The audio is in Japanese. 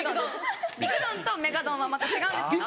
びくドンとメガドンはまた違うんですけど。